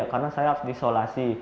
karena saya harus disolasi